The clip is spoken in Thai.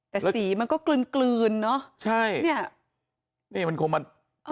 แต่สีมันก็กลืนกลืนเนอะใช่เนี่ยนี่มันคงมันเอ่อ